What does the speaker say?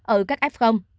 ở các f